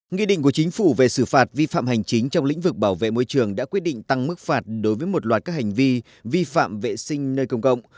nghị định của chính phủ về xử phạt vi phạm hành chính trong lĩnh vực bảo vệ môi trường đã quyết định tăng mức phạt đối với một loạt các hành vi vi phạm vệ sinh nơi công cộng